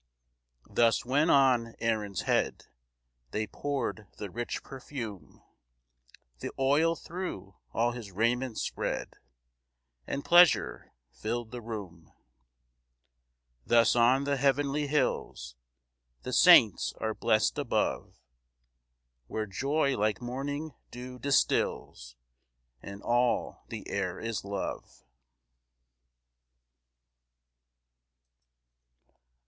3 Thus when on Aaron's head They pour'd the rich perfume, The oil thro' all his raiment spread, And pleasure fill'd the room. 4 Thus on the heavenly hills The saints are blest above, Where joy like morning dew distils, And all the air is love.